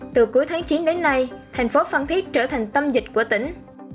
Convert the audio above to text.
từ cuối tháng chín đến nay thành phố phan thiết trở thành tâm dịch của tỉnh